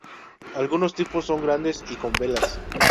Algunos tipos son grandes y con velas.